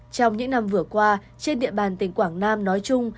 trong những năm vừa qua trên địa bàn tỉnh quảng nam nói chung